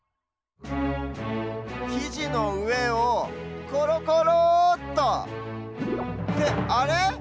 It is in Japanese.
きじのうえをコロコローっとってあれ？